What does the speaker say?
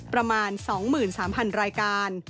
ประมาณ๒๓๐๐๐รายการ